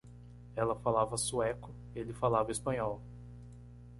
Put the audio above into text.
Ela falava sueco? ele falava espanhol.